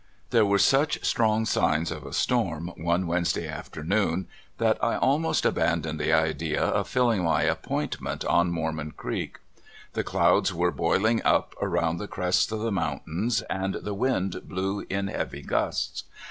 There were such strong signs of a storm one Wednesday afternoon that I almost abandoned the idea of tilHng my appointment on Mormon Creek. The clouds were boihng up around the crests of the mountains, and the wind^ blew in heavy gusts.